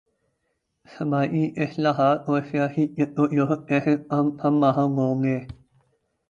سماجی اصلاحات اور سیاسی جد و جہد کیسے ہم آہنگ ہوںگے؟